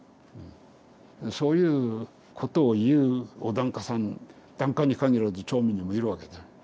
そういうことを言うお檀家さん檀家に限らず町民にもいるわけだ。